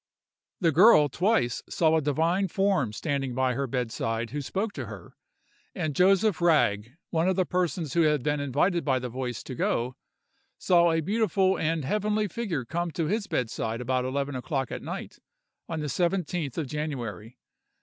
The girl twice saw a divine form standing by her bedside who spoke to her, and Joseph Ragg, one of the persons who had been invited by the voice to go, saw a beautiful and heavenly figure come to his bedside about eleven o'clock at night, on the 17th of January.